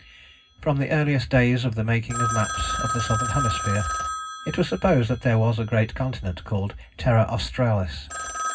From the earliest days of the making of maps of the Southern Hemisphere it was supposed that there was a great continent called Terra Australis.